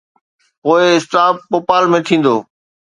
پوءِ اسٽاپ ڀوپال ۾ ٿيندو.